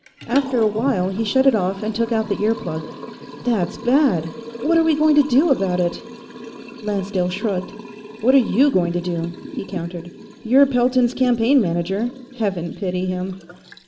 After a while, he shut it off and took out the ear plug. "That's bad! What are we going to do about it?" Lancedale shrugged. "What are you going to do?" he countered. "You're Pelton's campaign manager Heaven pity him."